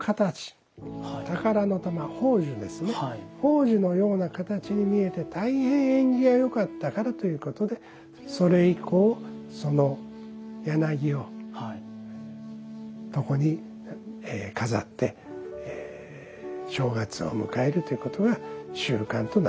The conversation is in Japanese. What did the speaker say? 宝珠のような形に見えて大変縁起が良かったからということでそれ以降その柳を床に飾って正月を迎えるということが習慣となりました。